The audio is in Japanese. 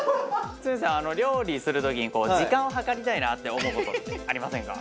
剛さん料理する時に時間を計りたいなって思う事ってありませんか？